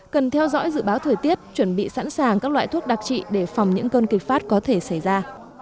cần theo dõi dự báo thời tiết chuẩn bị sẵn sàng các loại thuốc đặc trị để phòng những cơn kịch phát có thể xảy ra